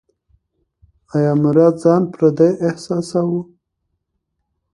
ایا مراد ځان پردی احساساوه؟